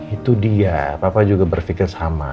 itu dia papa juga berpikir sama